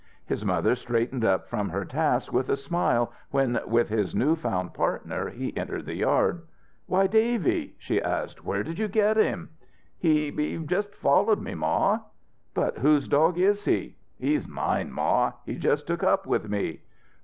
His mother straightened up from her task with a smile when with his new found partner he entered the yard. "Why, Davy," she asked, "where did you get him?" "He he just followed me, Ma." "But whose dog is he?" "He's mine, Ma he just took up with me."